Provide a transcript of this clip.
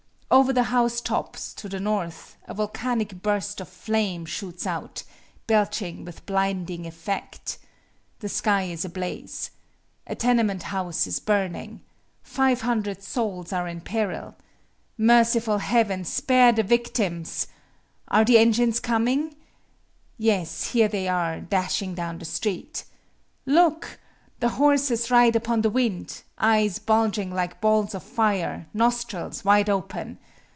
Over the house tops to the north, a volcanic burst of flame shoots out, belching with blinding effect. The sky is ablaze. A tenement house is burning. Five hundred souls are in peril. Merciful Heaven! Spare the victims! Are the engines coming? Yes, here they are, dashing down the street. Look! the horses ride upon the wind; eyes bulging like balls of fire; nostrils wide open.